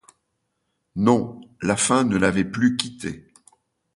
Non, la faim ne l’avait plus quitté.